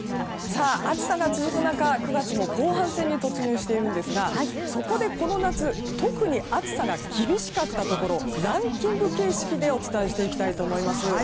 暑さが続く中、９月も後半戦に突入しているんですがそこで、この夏特に暑さが厳しかったところをランキング形式でお伝えしていきたいと思います。